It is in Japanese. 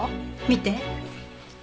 見て。